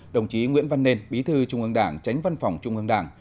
đồng chí nguyễn văn nên bí thư trung ương đảng tránh văn phòng trung ương đảng